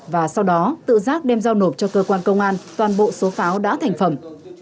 và sau đó tự giác đem giao nộp cho cơ quan công an toàn bộ số pháo đã thành phẩm